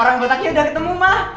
orang botaknya udah ketemu pak